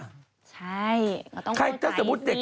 ใช่เขาต้องเข้าใจสิ